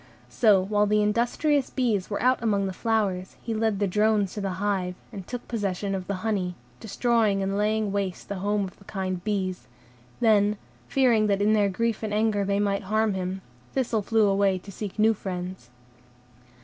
So while the industrious bees were out among the flowers, he led the drones to the hive, and took possession of the honey, destroying and laying waste the home of the kind bees; then, fearing that in their grief and anger they might harm him, Thistle flew away to seek new friends.